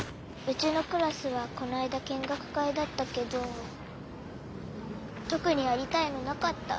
うちのクラスはこないだ見学会だったけどとくにやりたいのなかった。